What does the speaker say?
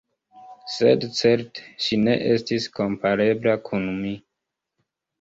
Sed certe, ŝi ne estis komparebla kun mi.